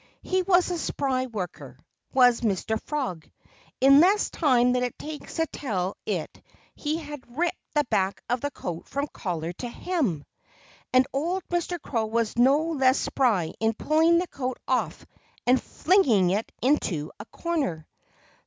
He was a spry worker was Mr. Frog. In less time than it takes to tell it he had ripped the back of the coat from collar to hem. And old Mr. Crow was no less spry in pulling the coat off and flinging it into a corner.